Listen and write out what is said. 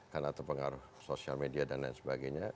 karena terpengaruh sosial media dan lain sebagainya